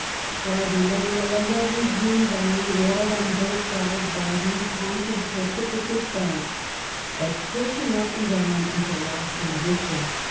Far below lay a lovely green valley, walled on both sides by these haunted precipitous banks, but stretching up and down until lost in vista.